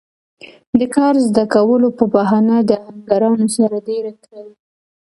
د کار زده کولو پۀ بهانه د آهنګرانو سره دېره کړل